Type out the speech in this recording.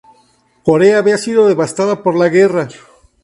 Corea había sido devastada por la guerra.